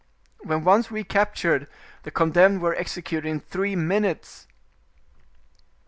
When once recaptured, the condemned were executed in three minutes."